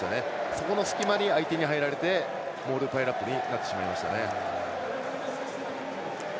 そこの隙間に相手に入られてモールアンプレアブルになってしまいましたね。